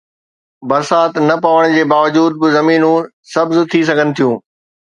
برسات نه پوڻ جي باوجود به زمينون سبز ٿي سگهن ٿيون.